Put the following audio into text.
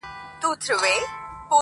سر یې کښته ځړولی وو تنها وو،